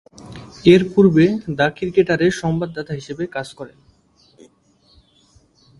এরপূর্বে দ্য ক্রিকেটারের সংবাদদাতা হিসেবে কাজ করেন।